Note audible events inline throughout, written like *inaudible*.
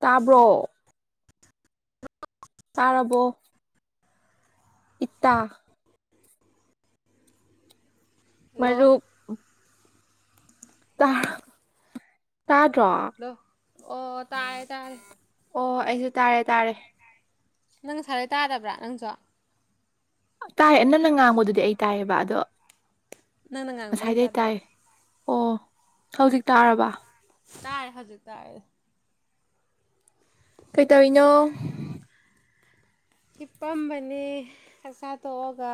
ꯇꯥꯕ꯭ꯔꯣ ꯇꯥꯔꯕꯣ ꯏꯇ ꯍꯜꯂꯣ ꯃꯔꯨꯞ ꯇ ꯇꯥꯗ꯭ꯔꯣ ꯑꯣ ꯇꯥꯔꯦ ꯇꯥꯔꯦ ꯑꯣ ꯑꯩꯁꯨ ꯇꯥꯔꯦ ꯇꯥꯔꯦ ꯅꯪ ꯉꯁꯥꯏꯗꯩ ꯇꯥꯗꯕ꯭ꯔꯥ ꯅꯪꯁꯨ ꯇꯥꯏꯌꯦ ꯅꯡꯅ ꯉꯥꯡꯕꯗꯨꯗꯤ ꯑꯩ ꯇꯥꯏꯌꯦꯕ ꯑꯗꯣ ꯅꯪꯅ ꯉꯥꯡꯕ ꯑꯩꯅ ꯉꯥꯡꯁꯥꯏꯗꯩ ꯇꯥꯗꯕ ꯇꯥꯏꯌꯦ ꯑꯣ ꯍꯧꯖꯤꯛ ꯇꯥꯔꯕ ꯇꯥꯔꯦ ꯍꯧꯖꯤꯛ ꯇꯥꯔꯦ ꯀꯩꯇꯧꯔꯤꯅꯣ ꯍꯤꯞꯄꯝꯕꯅꯦ ꯆꯥꯛꯆꯥꯥ ꯇꯣꯛꯑꯒ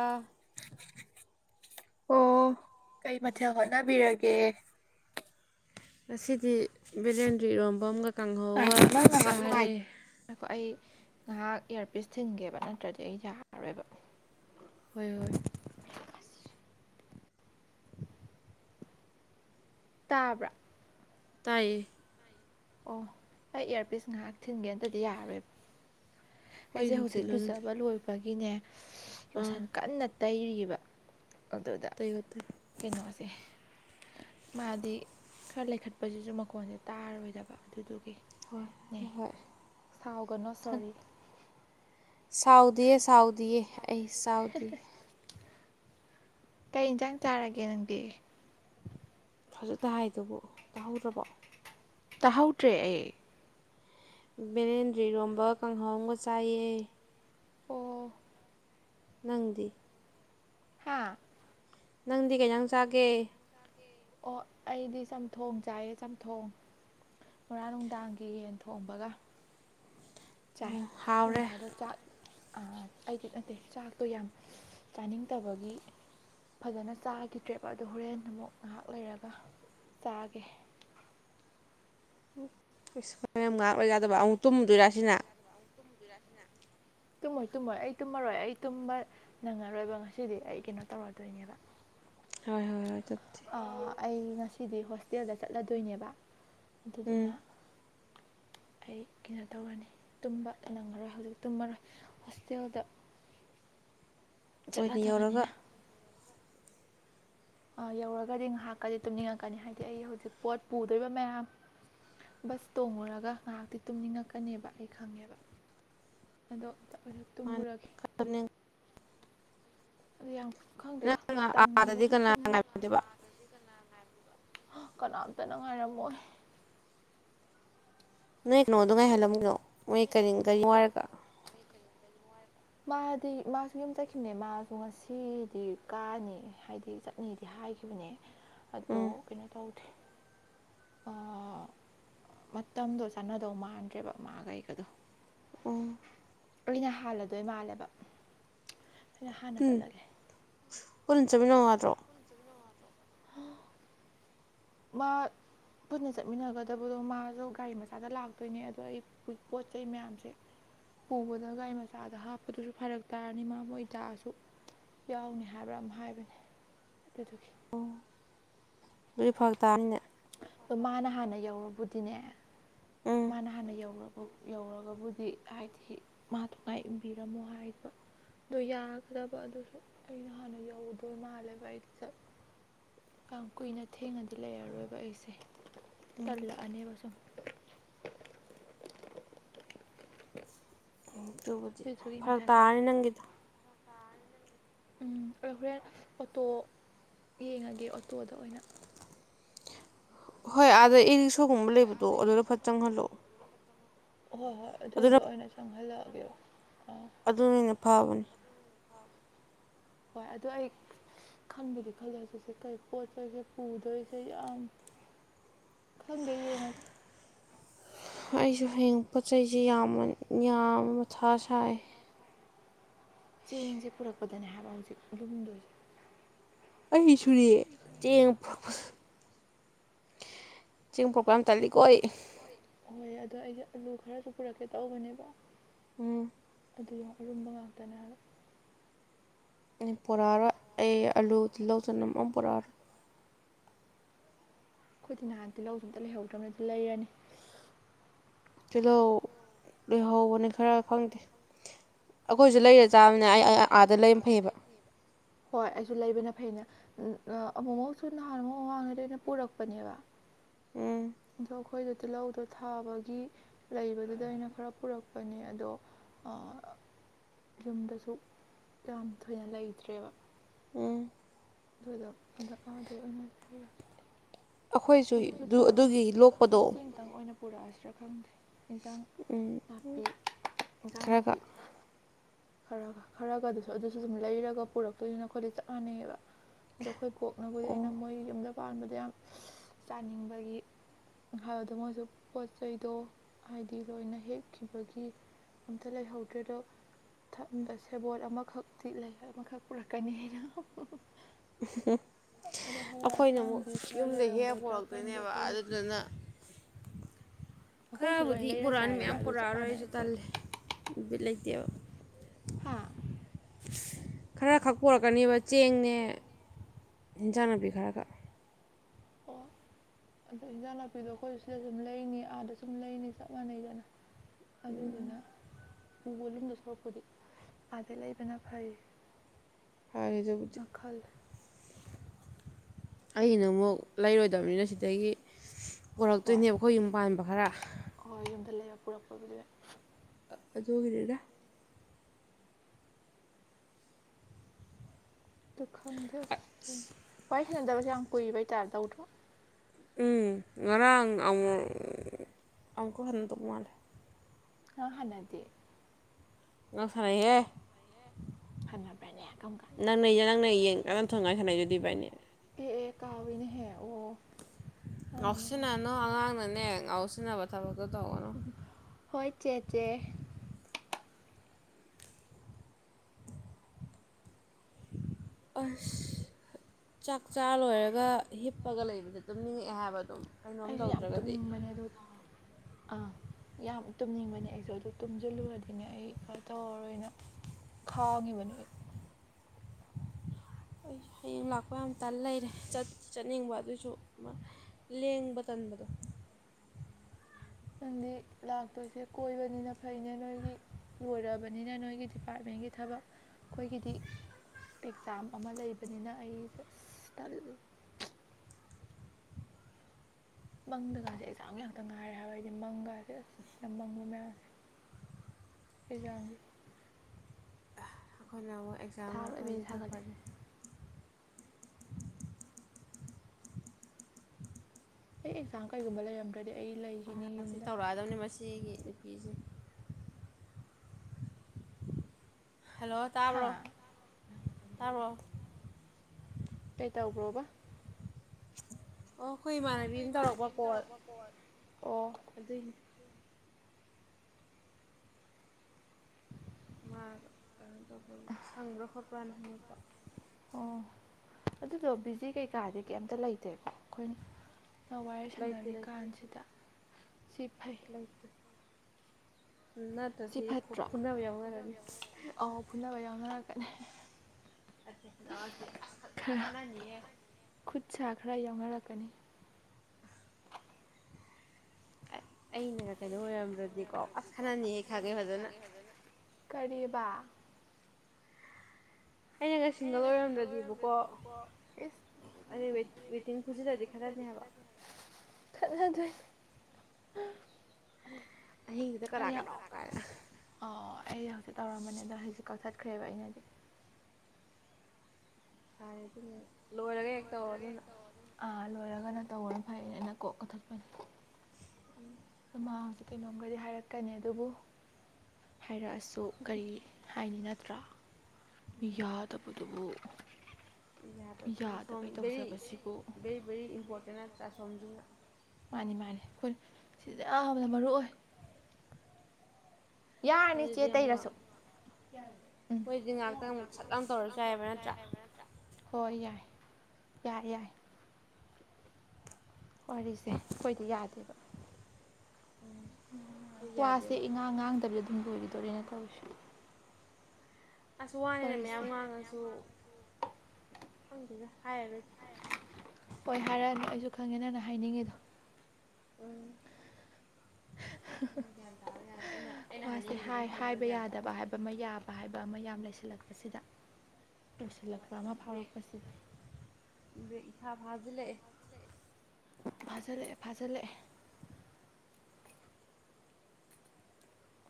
ꯑꯣ ꯀꯩ ꯃꯊꯦꯜ ꯍꯣꯠꯅꯕꯤꯔꯒꯦ ꯉꯁꯤꯗꯤ ꯕꯦꯔꯦꯟꯗ꯭ꯔꯤ ꯏꯔꯣꯝꯕꯝꯒ ꯀꯥꯡꯍꯧꯒ ꯆꯥꯔꯦ ꯈꯣ ꯑꯩ ꯉꯥꯏꯍꯥꯛ ꯏꯌꯥꯔꯄꯤꯁ ꯊꯤꯟꯒꯦꯕ ꯅꯠꯇ꯭ꯔꯗꯤ ꯑꯩ ꯌꯥꯔꯔꯣꯏꯕ ꯍꯣꯏ ꯍꯣꯏ ꯇꯥꯕ꯭ꯔꯥ ꯇꯥꯏꯌꯦ ꯑꯣ ꯑꯩ ꯏꯌꯥꯔꯄꯤꯁ ꯉꯥꯏꯍꯥꯛ ꯊꯤꯟꯒꯦ ꯅꯠꯇꯗꯤ ꯌꯥꯔꯣꯏꯕ ꯍꯣꯏ ꯑꯩꯖꯦ ꯍꯧꯖꯤꯛ ꯊꯤꯜꯂꯣ ꯔꯤꯖꯦꯟ ꯅꯨꯡꯊꯤꯜꯂꯣ ꯃꯔꯨ ꯑꯣꯏꯕ꯭ꯔ ꯀ ꯒꯤꯅꯦ ꯑꯥ ꯂꯣꯁꯟ ꯀꯟꯅ ꯇꯩꯔꯤꯕ ꯑꯗꯨꯗ *unintelligible* ꯀꯩꯅꯣꯅꯦ ꯃꯥꯗꯤ ꯈꯔ ꯂꯩꯈꯠꯄꯁꯤꯁꯨ ꯃꯈꯣꯟꯁꯦ ꯇꯥꯔꯣꯏꯗꯕ ꯍꯣꯏ ꯑꯗꯨꯒꯤꯅꯦ ꯍꯣꯏ ꯁꯥꯎꯒꯅꯣ ꯈꯪ ꯁꯣꯔꯤ ꯁꯥꯎꯗꯤꯌꯦ ꯁꯥꯎꯗꯤꯌꯦ ꯑꯩ ꯁꯥꯎꯗꯤꯌꯦ ꯀꯩ ꯏꯟꯖꯥꯡ ꯆꯥꯔꯒꯦ ꯅꯪꯗꯤ ꯍꯧꯖꯤꯛꯇ ꯍꯥꯏꯗꯨꯕꯨ ꯇꯥꯍꯧꯗ꯭ꯔꯕꯣ ꯇꯥꯍꯧꯗ꯭ꯔꯦ ꯑꯩ ꯕꯦꯂꯦꯟꯗ꯭ꯔꯤ ꯏꯔꯣꯝꯕ ꯀꯥꯡꯍꯧꯒ ꯆꯥꯏꯌꯦ ꯑꯣ ꯅꯪꯗꯤ ꯍꯥꯥ ꯅꯪꯗꯤ ꯀꯩꯖꯥꯡ ꯆꯥꯒꯦ ꯑꯣ ꯑꯩꯗꯤ ꯆꯝꯊꯣꯡ ꯆꯥꯏꯌꯦ ꯆꯝꯊꯣꯡ ꯉꯔꯥꯡ ꯅꯨꯡꯗꯥꯡꯒꯤ ꯌꯦꯟ ꯊꯣꯡꯕꯒ꯫ ꯆꯥꯏ ꯑꯣ ꯍꯥꯎꯔꯦ ꯅꯨꯡꯁꯥꯗꯣ ꯆꯥꯛ_ _ ꯑ -ꯑ ꯑꯩꯗꯤ ꯅꯠꯇꯦ ꯆꯥꯛꯇꯣ ꯌꯥꯝ ꯆꯥꯅꯤꯡꯗꯕꯒꯤ_ _ ꯐꯖꯅ ꯆꯥꯒꯤꯗ꯭ꯔꯦꯕ ꯑꯗꯣ ꯍꯣꯔꯦꯟ ꯑꯃꯨꯛ ꯉꯥꯍꯥꯛ ꯂꯩꯔꯒ ꯆꯥꯒꯦ꯫ ꯏꯁ ꯍꯣꯔꯦꯟꯃꯨꯛ ꯉꯥꯛ ꯂꯩꯔ ꯆꯗꯣꯕ ꯑꯃꯨꯛ ꯇꯨꯝꯗꯣꯏꯔ ꯍꯥꯏꯁꯤꯅ꯫ ꯇꯨꯝꯗꯣꯏꯔ ꯍꯥꯏꯁꯤꯅ꯫ ꯇꯨꯝꯃꯣꯏ ꯇꯨꯝꯃꯣꯏ ꯑꯩ ꯇꯨꯝꯃꯔꯣꯏ ꯑꯩ ꯇꯨꯝꯕ ꯅꯪꯉꯔꯣꯏꯕ ꯉꯁꯤꯗꯤ ꯑꯩ ꯀꯩꯅꯣ ꯇꯧꯔꯗꯣꯏꯅꯦꯕ꯫ ꯍꯣꯏ ꯍꯣꯏ ꯍꯣꯏ ꯆꯠꯆꯤ꯫ ꯑ ꯑꯩ ꯉꯁꯤꯗꯤ ꯍꯣꯁꯇꯦꯜꯗ ꯆꯠꯂꯗꯣꯏꯅꯦꯕ ꯎꯝ ꯑꯗꯨꯗꯨꯅ_ _ ꯑꯩ ꯀꯩꯅꯣ ꯇꯧꯔꯅꯤ ꯇꯨꯝꯕ ꯅꯪꯉꯔꯣꯏ ꯍꯧꯖꯤꯛ ꯇꯨꯝꯃꯔꯣꯏ ꯍꯣꯁꯇꯦꯜꯗ_ _ ꯑꯣꯏꯅ ꯌꯧꯔꯒ ꯆꯠꯂꯗꯕꯅꯤꯅ꯫ ꯑ ꯌꯧꯔꯒꯗꯤ ꯉꯥꯍꯥꯛꯀꯗꯤ ꯇꯨꯝꯅꯤꯡꯉꯛꯀꯅꯤ ꯍꯥꯏꯗꯤ ꯑꯩ ꯍꯧꯖꯤꯛ ꯄꯣꯠ ꯄꯨꯗꯣꯏꯕ ꯃꯌꯥꯝ_ _ ꯕꯁ ꯇꯣꯡꯉꯨꯔꯒ ꯉꯥꯍꯥꯛꯇꯤ ꯇꯨꯝꯅꯤꯡꯉꯛꯀꯅꯦꯕ ꯑꯩ ꯈꯪꯉꯦꯕ꯫ ꯑꯗꯣ ꯆꯠꯂ ꯇꯨꯝꯃꯨꯔꯒꯦ꯫ ꯇꯨꯝꯅꯤꯡ_ _ *unintelligible* ꯅꯪ ꯑꯥꯗꯗꯤ ꯇꯟꯈꯤꯕꯁꯨ ꯀꯅꯥ ꯇꯨꯝꯕ ꯉꯥꯏꯕꯤꯗꯣꯏꯕ꯫ ꯀꯅꯥꯝꯇꯅ ꯉꯥꯏꯔꯝꯃꯣꯏ꯫ ꯅꯣꯏ ꯅꯣꯗꯣ ꯉꯥꯏꯍꯜꯂꯝꯃꯨ ꯀꯩꯅꯣ ꯃꯣꯏ ꯀꯔꯤ ꯒꯥꯔꯤ ꯑꯃ ꯋꯥꯏꯔꯒ꯫ ꯃꯥꯗꯤ ꯃꯥꯁꯨ ꯌꯨꯝ ꯆꯠꯈꯤꯕꯅꯦ ꯃꯥꯖꯨ ꯉꯁꯤꯗꯤ ꯀꯥꯅꯤ ꯍꯥꯏꯗꯤ ꯆꯠꯅꯤꯗꯤ ꯍꯥꯏꯈꯤꯕꯅꯦ꯫ *inaudible* ꯑꯗꯣ ꯀꯩꯅꯣ ꯇꯧꯗꯦ ꯑꯥ ꯃꯇꯝꯗꯣ ꯆꯥꯟꯅꯗꯧ ꯃꯥꯟꯗ꯭ꯔꯦꯕ ꯃꯥꯒ ꯑꯩꯒꯗꯣ ꯎꯝ ꯑꯩꯅ ꯍꯥꯜꯂꯗꯣꯏ ꯃꯥꯜꯂꯦꯕ ꯑꯩꯅ ꯍꯥꯟꯅ ꯆꯠꯂꯒꯦ꯫ ꯄꯨꯟ ꯆꯠꯃꯤꯟꯅꯧ ꯌꯥꯗ꯭ꯔꯣ? ꯄꯨꯟ ꯆꯠꯃꯤꯅꯧ ꯌꯗ꯭ꯔꯣ *unintelligible* ꯃꯥ ꯄꯨꯟꯅ ꯆꯠꯃꯤꯟꯅꯒꯗꯕꯗꯣ ꯃꯥꯖꯨ ꯒꯥꯔꯤ ꯃꯆꯥꯗ ꯂꯥꯛꯇꯣꯏꯅꯦ ꯑꯗꯣ ꯑꯩ ꯄꯨꯠ ꯄꯣꯠꯆꯩ ꯃꯌꯥꯝꯁꯦ ꯄꯨꯕꯗ ꯒꯥꯔꯤ ꯃꯆꯥꯗ ꯍꯥꯞꯄꯗꯨꯖꯨ ꯐꯔꯛ ꯇꯥꯔꯅꯤ ꯃꯥ ꯃꯣꯏ ꯗꯥꯁꯨ ꯌꯥꯎꯅꯤ ꯍꯥꯏꯕ꯭ꯔꯥ ꯑꯝ ꯍꯥꯏꯕꯅꯦ ꯑꯗꯨꯗꯨꯒꯤ꯫ ꯑꯣ ꯑꯗꯨꯗꯤ ꯐꯔꯛ ꯇꯥꯅꯤꯅꯦ ꯗꯣ ꯃꯥꯅ ꯍꯥꯟꯅ ꯌꯧꯔꯕꯨꯗꯤꯅꯦ ꯎꯝ ꯃꯥꯅ ꯍꯥꯟꯅ ꯌꯧꯔꯕꯨꯕ ꯌꯧꯔꯒꯕꯨꯗꯤ ꯍꯥꯏꯗꯤ ꯃꯥ ꯗꯣ ꯉꯥꯏ ꯏꯟꯕꯤꯔꯝꯃꯣ ꯍꯥꯏꯕ꯫ ꯑꯗꯨ ꯌꯥꯒꯗꯕ ꯑꯗꯨꯁꯨ ꯑꯩꯅ ꯍꯥꯟꯅ ꯌꯧꯗꯣꯏ ꯃꯥꯜꯂꯦꯕ ꯑꯩꯗꯤ ꯆꯠ ꯀꯥꯡ ꯀꯨꯏꯅ ꯊꯦꯡꯅꯗꯤ ꯂꯩꯔꯔꯣꯏꯕ ꯑꯩꯁꯦ ꯇꯜꯂꯛꯑꯅꯦꯕ ꯁꯨꯝ ꯑꯗꯨꯕꯨꯗꯤ ꯑꯗꯨꯊꯨꯏ ꯐꯔꯛ ꯃꯊꯥ ꯁꯥꯏ꯫ ꯇꯥꯔꯅꯤ ꯅꯪꯒꯤꯗꯣ *inaudible* ꯎꯝ ꯑꯩ ꯍꯣꯔꯦꯟ ꯑꯣꯇꯣ ꯌꯦꯡꯉꯒꯦ ꯑꯣꯇꯣꯗ ꯑꯣꯏꯅ ꯍꯣꯏ ꯑꯥꯗ ꯑꯦ ꯔꯤꯛꯁꯣꯒꯨꯝꯕ ꯂꯩꯕꯗꯣ ꯑꯗꯨꯗ ꯐꯠ ꯆꯪꯍꯜꯂꯣ꯫ ꯑꯍꯣꯏ ꯍꯣꯏ ꯑꯗꯨꯅ ꯑꯗꯨꯏꯗꯣ ꯑꯣꯏꯅ ꯆꯪꯍꯜꯂꯛꯑꯒꯦꯕ ꯑꯥ ꯑꯗꯨꯅꯤꯅ ꯐꯥꯕꯅꯤ *inaudible* ꯍꯣꯏ ꯑꯗꯨ ꯑꯩ ꯈꯟꯕꯨꯗꯤ ꯈꯜꯂꯦ ꯍꯧꯖꯤꯛꯁꯦ ꯀꯩ ꯄꯣꯠꯆꯩꯖꯦ ꯄꯨꯗꯣꯏꯁꯦ ꯌꯥꯝ ꯈꯪꯗꯦ ꯌꯦꯡꯉꯒꯦ꯫ ꯑꯩꯖꯨ ꯍꯌꯦꯡ ꯄꯣꯠ ꯆꯩꯖꯦ ꯌꯥꯝꯃꯟ ꯌꯥꯝ ꯃꯊꯥ ꯁꯥꯏ ꯆꯦꯡꯖꯦ ꯄꯨꯔꯛꯄꯗꯅꯦ ꯍꯥꯏꯕ ꯍꯧꯖꯤꯛ ꯂꯨꯝꯗꯣꯏꯁ ꯑꯩꯒꯤ ꯁꯨꯔꯦ ꯆꯦꯡ *unintelligible* ꯆꯦꯡ ꯄꯣꯔꯛꯄ ꯌꯥꯝ ꯇꯜꯂꯤꯀꯣ ꯑꯩ ꯍꯣꯏ ꯑꯗꯣ ꯑꯩꯁꯦ ꯑꯂꯨ ꯈꯔꯁꯨ ꯄꯨꯔꯛꯀꯦ ꯇꯧꯕꯅꯦꯕ ꯎꯝ ꯑꯗꯨ ꯌꯦꯡꯎ ꯑꯔꯨꯝꯕ ꯉꯥꯛꯇꯅꯦ ꯍꯥꯏꯕ *unintelligible* ꯄꯨꯔꯛꯑꯔꯣꯏ ꯑꯩ ꯑꯂꯨ ꯇꯤꯜꯂꯧ ꯆꯥꯅꯝ ꯑꯝ ꯄꯨꯔꯛꯑꯔꯣꯏ ꯑꯩꯈꯣꯏꯗꯤ ꯅꯍꯥꯟ ꯇꯤꯜꯂꯧꯁꯨ ꯑꯝꯇ ꯂꯩꯍꯧꯗ꯭ꯔꯕꯅꯦ ꯑꯩꯗꯤ ꯂꯩꯔꯅꯤ ꯇꯤꯜꯂꯧ ꯂꯩꯍꯧꯕꯅꯦ ꯈꯔ ꯈꯪꯗꯦ ꯑꯈꯣꯏꯁꯨ ꯂꯩꯔ ꯆꯥꯕꯅꯦ ꯑꯩ ꯑꯩ ꯑꯥ ꯑꯥꯗ ꯂꯩꯕꯅ ꯐꯩꯌꯦꯕ ꯍꯣꯏ ꯑꯩꯁꯨ ꯂꯩꯕꯅ ꯐꯩꯌꯦꯅꯦ ꯎꯝ ꯑꯥ ꯑꯃꯨ ꯃꯨꯛꯁꯨ ꯅꯍꯥꯟ ꯑꯃꯨꯛ ꯃꯃꯥꯡꯗꯗꯤ ꯑꯩꯅ ꯄꯨꯔꯛꯄꯅꯦꯕ ꯎꯝ ꯑꯗꯣ ꯑꯩꯈꯣꯏꯗꯣ ꯇꯤꯜꯂꯧꯗꯣ ꯊꯥꯕꯒꯤ ꯂꯩꯕꯗꯨꯗ ꯑꯣꯏꯅ ꯈꯔ ꯄꯨꯔꯛꯄꯅꯦ ꯑꯗꯣ ꯑꯥ ꯌꯨꯝꯗꯁꯨ ꯌꯥꯝ ꯊꯣꯏꯅ ꯂꯩꯇ꯭ꯔꯦꯕ ꯎꯝ ꯑꯗꯨꯗꯣ ꯍꯟꯗꯛ ꯑꯥꯗꯩ ꯑꯣꯏꯅ *unintelligible* ꯑꯈꯣꯏꯁꯨꯏ ꯑꯗꯨ ꯑꯗꯨꯒꯤ ꯂꯣꯛꯄꯗꯣ ꯈꯤꯇꯪ ꯑꯣꯏꯅ ꯄꯨꯔꯛꯑꯁꯤꯔꯥ ꯈꯪꯗꯦ ꯍꯦꯟꯖꯥꯡ ꯎꯝ ꯅꯥꯄꯤ ꯍꯦꯡꯖꯥꯡ ꯈꯔꯒ ꯅꯥꯄꯤ *unintelligible* ꯈꯔ ꯈꯔꯒꯗꯨꯁꯨ ꯑꯗꯨꯁꯨ ꯑꯗꯨꯝ ꯂꯩꯔꯒ ꯄꯨꯔꯛꯇꯣꯏꯅꯤꯅ ꯑꯩꯈꯣꯏꯗꯤ ꯆꯞ ꯃꯥꯟꯅꯩꯑꯕ ꯑꯗꯣ ꯑꯩꯈꯣꯏ ꯄꯣꯛ ꯑꯣ ꯎꯗ ꯄꯥꯟꯕꯗꯣ ꯌꯥꯝ ꯆꯥꯅꯤꯡꯕꯒꯤ ꯍꯥꯢꯕꯗꯣ ꯃꯣꯢꯖꯨ ꯄꯣꯠ- ꯆꯩꯗꯣ ꯍꯥꯏꯗꯤ ꯂꯣꯏꯅ ꯍꯦꯛꯈꯤꯕꯒꯤ ꯑꯝꯇ ꯂꯩꯍꯧꯗ꯭ꯔꯦꯗꯣ ꯁꯦꯕꯣꯠ ꯑꯃꯈꯛꯇꯤ ꯂꯩ ꯑꯃꯈꯛ ꯄꯨꯔꯛꯀꯅꯤ ꯍꯥꯏꯅ ꯑꯩꯈꯣꯏꯅ ꯑꯃꯨꯛ ꯑꯁꯥꯡꯕꯤ ꯈꯔ ꯌꯨꯝꯗꯩ ꯍꯦꯛꯑ ꯂꯩꯔꯝꯒꯗ꯭ꯔꯥ ꯈꯪꯗꯦ ꯄꯨꯔꯛꯇꯣꯏꯅꯦꯕ ꯑꯩꯈꯣꯏꯒꯤ ꯑꯗꯨꯗꯨꯅ ꯑꯩꯈꯣꯏꯁꯨ ꯂꯣꯏ ꯈꯔꯕꯨꯗꯤ ꯂꯩꯔ ꯄꯨꯔꯛꯑꯅꯤ ꯆꯥꯏꯑꯕ ꯃꯌꯥꯝ ꯑꯗꯨ ꯆꯞ ꯄꯨꯔꯛꯑꯔꯣꯏ ꯑꯩꯖꯨ ꯃꯥꯟꯅꯩꯕ ꯄꯣꯠꯇꯣ ꯇꯜꯂꯤ ꯕꯤꯠ ꯂꯩꯇꯦꯕ ꯍꯥꯥ ꯈꯔꯈꯛ ꯄꯨꯔꯛꯀꯅꯦꯕ ꯆꯦꯡꯅꯦ ꯏꯟꯖꯥꯡ ꯅꯥꯄꯤ ꯈꯔꯒ ꯑꯣ INAUDIBLE ꯑꯗꯣ ꯏꯟꯖꯥꯡ- ꯅꯥꯄꯤꯗꯣ ꯑꯩꯈꯣꯏꯅꯁꯤꯗꯩꯁꯨ ꯁꯨꯝ ꯂꯩꯅꯤ ꯑꯥꯗ ꯁꯨꯝ ꯂꯩꯅꯤ ꯆꯞ ꯃꯥꯟꯅꯩꯗꯅ ꯑꯗꯨꯗꯨꯅ ꯄꯨꯕꯂꯨꯝꯗꯧꯁꯔꯨꯛꯄꯨꯗꯤ ꯑꯥꯗ ꯂꯩꯕꯅ ꯐꯩ ꯐꯔꯦ ꯑꯗꯨꯕꯨꯗꯤ ꯈꯜꯂꯤ ꯑꯩꯅ ꯑꯃꯨꯛ ꯂꯩꯔꯣꯏꯗꯕꯅꯤꯅ ꯁꯤꯗꯒꯤ ꯄꯣꯔꯛꯇꯣꯏꯅꯦꯕ ꯑꯩꯈꯣꯏ ꯌꯨꯝ ꯄꯥꯟꯕ ꯈꯔ INAUDIBLE ꯑꯗꯨꯒꯤꯅꯤꯗ ꯑꯗꯨ ꯈꯪꯗꯦ ꯑꯁꯦꯡꯕ ꯋꯥꯔꯤ ꯁꯥꯟꯅꯗꯕꯖꯦ ꯌꯥꯝ ꯀꯨꯏꯕꯩ ꯇꯥꯏꯞꯇꯥ ꯇꯧꯗ꯭ꯔꯣ ꯎꯪ ꯉꯔꯥꯡ ꯑꯉꯨꯡ꯬꯬ ꯑꯃꯨꯛꯀ ꯍꯟꯗꯧ ꯃꯥꯜꯂꯦ ꯈꯔ ꯍꯜꯂꯗꯤ ꯉꯁꯥꯢ ꯍꯦ ꯐꯪꯉꯕ꯭ꯔꯅꯦ ꯀꯝꯀꯥꯟꯗ UNINTELLIGIBLE ꯑꯦ ꯑꯦ ꯀꯥꯎꯔꯦꯅꯦꯍꯦ ꯑꯣꯑꯣ ꯉꯥꯎꯁꯤꯟꯅꯅꯨ ꯑꯉꯥꯡꯅꯅꯦ ꯉꯥꯎꯁꯤꯟꯅꯕ ꯊꯕꯛꯇꯣ ꯇꯧꯒꯅꯨ ꯍꯣꯏ ꯆꯦ ꯆꯦ ꯑꯥꯁ ꯆꯥꯛ ꯆꯥ ꯂꯣꯏꯔꯒ ꯍꯤꯞꯄꯒ ꯂꯩꯕꯖꯦ ꯇꯨꯝ ꯅꯤꯡꯉꯛꯑꯦ ꯍꯥꯏꯕ ꯑꯗꯨꯝ ꯀꯩꯅꯣꯝ ꯑꯩꯖꯨ ꯌꯥꯝ ꯇꯧꯗ꯭ꯔꯒꯗꯤ ꯇꯨꯝꯅꯤꯡꯕꯅꯦ ꯑꯗꯨ ꯑꯥ ꯌꯥꯝ ꯇꯨꯝꯅꯤꯡꯕꯅꯦ ꯑꯩꯖꯨ ꯑꯗꯨ ꯇꯨꯝꯖꯤꯜꯂꯨꯔꯗꯤꯅꯦ ꯑꯩ ꯀꯩꯅꯧꯇꯧꯔꯔꯣꯏꯅ ꯈꯥꯡꯉꯤꯕꯅꯤ ꯑꯩ ꯍꯌꯦꯡ ꯂꯥꯛꯄ ꯌꯥꯝ ꯇꯜ ꯂꯩꯔꯦ ꯆꯠꯇꯤ ꯆꯠꯅꯤꯡꯕ ꯑꯗꯨꯖꯨ ꯂꯦꯡꯕ ꯇꯟꯕꯗꯣ ꯅꯪꯗꯤ ꯂꯥꯛꯇꯣꯏꯖꯦ ꯀꯣꯏꯕꯅꯤꯅ ꯐꯩꯅꯦ ꯅꯣꯏꯗꯤ ꯄꯨꯔꯕꯅꯤꯅ ꯅꯣꯏꯒꯤ ꯗꯤꯄꯥꯔꯠꯃꯦꯟꯒꯤ ꯊꯕꯛ ꯑꯩꯈꯣꯏꯒꯤꯗꯤ ꯑꯦꯛꯖꯥꯝ ꯑꯃ ꯂꯩꯕꯅꯤꯅ ꯑꯩꯁꯦ ꯇꯜꯂꯦ ꯃꯪꯗꯒꯁꯦ ꯑꯦꯛꯖꯥꯝꯒꯤ ꯉꯥꯛꯇ ꯉꯥꯏꯔꯦ ꯍꯥꯏꯕ ꯑꯩꯗꯤ ꯃꯪꯒꯥꯁꯦ ꯑꯁ ꯌꯥꯝ ꯃꯪꯕ ꯃꯌꯥꯝꯖꯦ ꯑꯦꯛꯖꯥꯝꯒꯤ ꯑꯩꯈꯣꯏꯅ ꯃꯨꯛ ꯃꯊꯥ ꯑꯦꯛꯖꯥꯝ ꯂꯣꯏꯕꯤ ꯋꯥꯈꯜꯗꯤ ꯈꯔꯥ ꯁꯥꯒꯠꯂꯦ ꯐꯔꯦ ꯑꯩ ꯑꯦꯛꯖꯥꯝ ꯀꯩꯒꯨꯝꯕ ꯂꯩꯔꯝꯗ꯭ꯔꯗꯤ ꯑꯩ ꯂꯩꯒꯤꯅꯤ ꯌꯨꯝ ꯑꯁꯤ ꯇꯧꯔꯛꯑꯗꯕꯅꯤ ꯃꯁꯤꯒꯤ ꯅꯨꯄꯤꯖꯦ ꯍꯜꯂꯣ ꯍꯥ ꯇꯥꯕ꯭ꯔꯣ ꯇꯥꯕ꯭ꯔꯣ ꯑꯇꯩ ꯇꯧꯕ꯭ꯔꯣꯕ ꯑꯣ ꯑꯩꯈꯣꯏ ꯏꯃꯥꯟꯅꯕꯤ ꯑꯃ ꯇꯧꯔꯛꯄ ꯀꯣꯜ ꯑꯣ ꯑꯗꯎꯏꯅꯤ ꯃꯥ ꯀꯑꯩꯅꯣ ꯇꯧꯕ ꯁꯪꯒ꯭ꯔ ꯈꯣꯠꯄꯔ ꯍꯪꯉꯛꯄ ꯑꯣ ꯑꯗꯨꯗꯣ ꯕꯤꯖꯤ ꯀꯩꯀꯥꯗꯤ ꯀꯩꯝꯇ ꯂꯩꯇꯦꯕꯣ ꯑꯩꯈꯣꯏꯅ ꯅ ꯋꯥꯔꯤꯏ ꯂꯩꯇꯦ ꯂꯩꯇꯦ ꯁꯥꯟꯅꯔꯤꯀꯥꯟꯁꯤꯗ ꯁꯤ ꯐꯩ ꯁꯤ ꯅꯅꯥꯠꯇꯗꯤꯦ ꯐꯠꯇ꯭ꯔꯣ ꯐꯨꯅꯕ ꯌꯥꯑꯣꯅꯔꯅꯤ ꯑꯧ ꯐꯨꯅꯕ ꯌꯥꯎꯅꯔꯛꯀꯅꯤ ꯑ ꯅ ꯑꯁ ꯈꯜ ꯄ ꯈꯔ ꯈꯅꯥꯅꯤꯌꯦ ꯈꯨꯠ ꯁꯥ ꯈꯔ ꯌꯥꯎꯅꯔꯛꯀꯅꯤ ꯑꯩꯅꯒ ꯀꯩꯅꯣ ꯑꯣꯏꯔꯝꯃ꯭ꯔꯗꯤꯀꯣ ꯑꯁ ꯈꯅꯅꯤꯌꯦ ꯈꯪꯉꯦ ꯐꯖꯅ ꯀꯔꯤꯕ ꯑꯩꯅ ꯉ ꯁꯤꯡꯒ ꯑꯣꯏꯔꯝꯗ꯭ꯔꯗꯤꯕꯀꯣ ꯏꯁ ꯑꯩ ꯋꯦꯇꯤꯡ ꯈꯨꯁꯤꯜꯂꯗꯤ ꯈꯔꯅꯦ ꯍꯥꯏꯕ ꯈꯌꯅꯗꯧ ꯑꯍꯤꯡꯁꯤꯗ ꯀꯅꯥ ꯑꯩ ꯑ ꯀꯅꯣ ꯀꯥꯏꯅ ꯑꯩ ꯌꯥꯍꯥꯛꯁꯦ ꯇꯧꯔꯝꯕꯅꯦ ꯑꯗꯣ ꯍꯧꯖꯤꯛ ꯀꯛꯊꯠꯈ꯭ꯔꯦꯕ ꯑꯩꯅꯗꯤ ꯍꯥꯏ ꯑꯗꯨꯅ ꯂꯣꯏꯔꯒ ꯍꯦꯛ ꯇꯧꯑꯣ ꯑꯗꯨꯅ ꯑꯥ ꯂꯣꯏꯔꯒꯅ ꯇꯧꯕꯅ ꯐꯩꯌꯦꯟ ꯀꯣꯛ ꯀꯊꯛꯄꯅꯦ ꯑꯗꯣ ꯃꯥ ꯍꯦꯖꯤꯀ ꯀꯩꯅꯣꯝꯒꯗꯤ ꯍꯥꯏꯔꯛꯀꯅꯤ ꯑꯗꯨꯕꯨ ꯍꯥꯏꯔꯛꯑꯁꯨ ꯀꯔꯤ ꯍꯥꯏꯅꯤ ꯅꯠꯇ꯭ꯔꯥ ꯌꯥꯗꯕꯗꯨꯕꯨ ꯌꯥꯗꯕ ꯁꯣꯝ ꯌꯥꯗꯕꯩ ꯕꯦꯔꯤ ꯇꯧꯖꯕꯁꯤꯕꯨ ꯕꯦꯔꯤ ꯕꯦꯔꯤ ꯏꯝꯄꯣꯔꯇꯦ ꯅꯇꯔꯥ ꯁꯣꯝꯁꯤꯅ ꯃꯥꯅꯤ ꯃꯥꯅꯤ ꯑꯩꯈꯣꯏ ꯁꯤ ꯌꯥꯝꯅ ꯃꯔꯨ ꯑꯣꯏ ꯌꯥꯔꯅꯤ ꯃꯣꯏꯗꯗꯤ ꯆꯦ ꯇꯩꯔꯁꯨ ꯎꯝ ꯃꯣꯏꯁꯦ ꯉꯥꯏꯍꯥꯛꯇꯪ ꯑꯃꯨꯛ ꯁꯠ ꯂꯧꯅ ꯇꯧꯔꯁꯨ ꯌꯥꯏꯕ ꯅꯠꯇ꯭ꯔꯥ ꯍꯣꯏ ꯌꯥꯏ ꯌꯥꯏ ꯌꯥꯏ ꯋꯥꯔꯤꯁꯦ ꯑꯩꯈꯣꯏꯗꯤ ꯌꯥꯗꯦꯕ ꯑꯩꯈꯣꯏ ꯋꯥꯁꯦ ꯌꯥꯗꯦꯕ ꯏꯉꯥꯡ ꯉꯥꯡꯗꯕꯤꯗꯤ ꯑꯗꯨꯝ ꯂꯣꯏꯈꯤꯗꯣꯔꯦꯅ ꯇꯧꯔꯤꯁꯤ ꯑꯁ ꯋꯥꯅꯤꯅꯦ ꯃꯌꯥꯝ ꯋꯥꯔꯤꯁꯦ ꯉꯥꯡꯉꯁꯎ ꯈꯪꯗꯦꯗꯥ ꯍꯥꯏꯔꯔꯣꯏꯗ ꯍꯣꯌ ꯍꯥꯏꯔꯛ ꯑꯅꯨ ꯑꯩꯁꯨ ꯈꯪꯉꯦ ꯅꯅ ꯍꯥꯏꯅꯤꯡꯉꯤꯗꯣ ꯎꯝ ꯎ ꯅꯪ *unintelligible* ꯒ꯭ꯌꯥꯟ ꯇꯥꯔꯣꯏ ꯌꯥꯔꯦ ꯑꯩꯅ ꯑꯩꯅ ꯍꯥꯏꯅꯤꯡꯉꯤꯁꯎ ꯈꯪꯕ꯭ꯔꯥ ꯍꯥꯏꯕ ꯒꯌꯥꯟ ꯇꯥ ꯌꯥꯗꯕ ꯍꯥꯏꯕ ꯑꯃ ꯌꯥꯕ ꯍꯥꯏꯕ ꯑꯃ ꯌꯥꯝ ꯂꯩꯁꯤꯜꯂꯛꯄꯁꯤꯗ ꯇꯟꯁꯤꯜꯂꯛꯄ ꯑꯃ ꯐꯥꯎꯔꯛꯄꯁꯤꯗ ꯕꯦꯛ ꯏꯐꯥ ꯐꯖꯂꯦ ꯐꯥꯖꯤꯜꯂꯛꯑꯦ ꯐꯥꯖꯤꯜꯂꯛꯑꯦ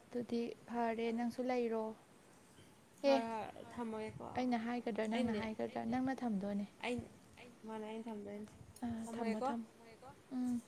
ꯑꯗꯨꯗꯤ ꯐꯔꯦ ꯅꯪꯁꯨ ꯂꯩꯔꯣ ꯑꯦ ꯍꯣꯏ ꯍꯣꯏ ꯊꯝꯃꯒꯦꯀꯣ ꯑꯩꯅ ꯍꯥꯏꯒꯗ꯭ꯔꯥ ꯅꯪꯅ ꯑꯩꯅꯦ ꯍꯥꯏꯒꯗ꯭ꯔꯥ ꯅꯪꯅ ꯊꯝꯗꯣꯅꯦ ꯃꯥꯅ ꯑꯩꯅ ꯊꯝꯗꯣꯏꯅꯦ ꯊꯝꯃꯣꯒꯦꯀꯣ ꯊꯝꯃꯣ ꯎꯝ